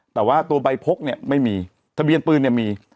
แต่ว่าตัวใบพกเนี่ยไม่มีทะเบียนปืนเนี่ยมี